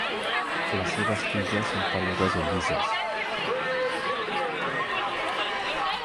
Les seves tiges són peludes o llises.